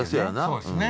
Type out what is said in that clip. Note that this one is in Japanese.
そうですね。